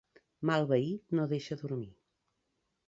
Mal veí no deixa dormir.